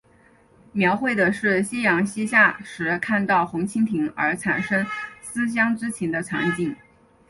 描绘的是夕阳西下时看到红蜻蜓而产生思乡之情的场景。